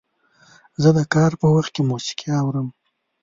زه د کار په وخت کې موسیقي اورم.